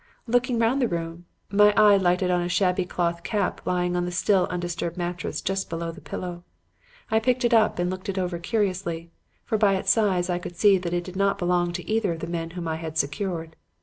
Looking round the room, my eye lighted on a shabby cloth cap lying on the still undisturbed mattress just below the pillow. I picked it up and looked it over curiously, for by its size I could see that it did not belong to either of the men whom I had secured.